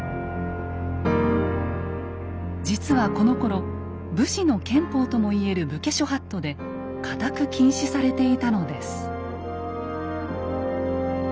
実はこのころ武士の憲法とも言える「武家諸法度」で固く禁止されていたのです。